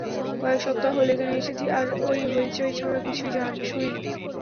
কয়েক সপ্তাহ হলো এখানে এসেছি, আর ঐ হৈচৈ ছাড়া কিছুই শুনিনি!